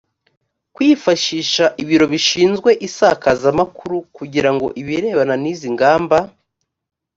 kwifashisha ibiro bishinzwe isakazamakuru kugira ngo ibirebana n izi ngamba